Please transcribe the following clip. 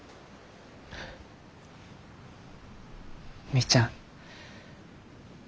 みーちゃん。